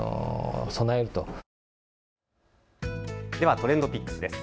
ＴｒｅｎｄＰｉｃｋｓです。